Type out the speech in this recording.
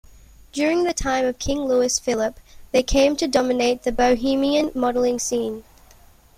During the time of King Louis-Philippe they came to dominate the bohemian modelling scene.